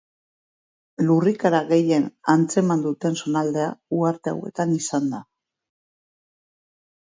Lurrikara gehien antzeman duten zonaldea uharte hauetan izan da.